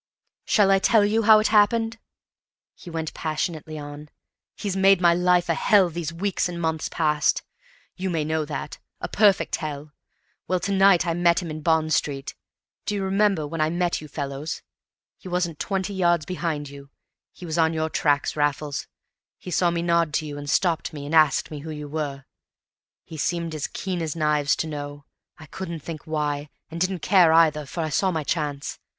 "Shall I tell you how it happened?" he went passionately on. "He's made my life a hell these weeks and months past. You may know that. A perfect hell! Well, to night I met him in Bond Street. Do you remember when I met you fellows? He wasn't twenty yards behind you; he was on your tracks, Raffles; he saw me nod to you, and stopped me and asked me who you were. He seemed as keen as knives to know, I couldn't think why, and didn't care either, for I saw my chance.